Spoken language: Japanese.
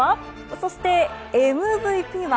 そして、ＭＶＰは？